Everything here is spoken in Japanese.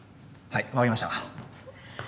はい分かりました。